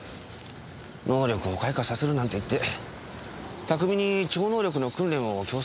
能力を開花させるなんて言って拓海に超能力の訓練を強制したり。